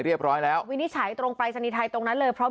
เรียบร้อยแล้ววินิจฉัยตรงปรายศนีย์ไทยตรงนั้นเลยเพราะ